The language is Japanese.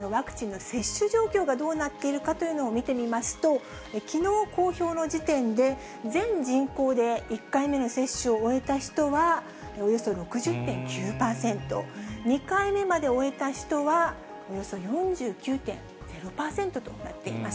では実際、今、このワクチンの接種状況がどうなっているかというのを見てみますと、きのう公表の時点で、全人口で１回目の接種を終えた人はおよそ６０．９％、２回目まで終えた人はおよそ４９．０％となっています。